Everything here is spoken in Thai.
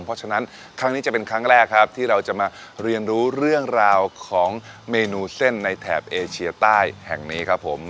เพราะฉะนั้นครั้งนี้จะเป็นครั้งแรกครับที่เราจะมาเรียนรู้เรื่องราวของเมนูเส้นในแถบเอเชียใต้แห่งนี้ครับผม